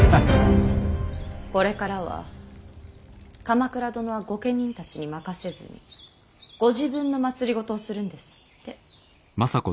これからは鎌倉殿は御家人たちに任せずにご自分の政をするんですって。